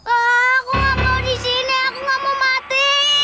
aku gak mau disini aku gak mau mati